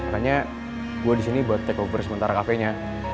makanya gue disini buat takeover sementara cafe nya